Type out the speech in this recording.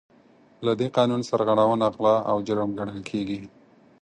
له دې قانون سرغړونه غلا او جرم ګڼل کیږي.